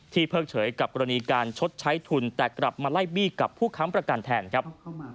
เพิกเฉยกับกรณีการชดใช้ทุนแต่กลับมาไล่บี้กับผู้ค้ำประกันแทนครับ